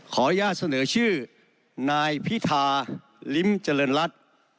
ขออนุญาตเสนอชื่อนายพิธาลิ้มเจริญรัฐ